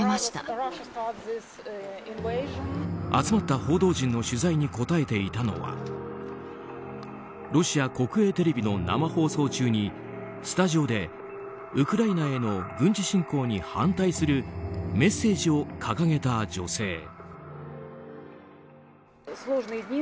集まった報道陣の取材に答えていたのはロシア国営テレビの生放送中にスタジオでウクライナへの軍事侵攻に反対するメッセージを掲げた女性。